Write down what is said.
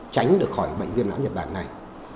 tránh được khỏi bệnh viêm não nhật bản này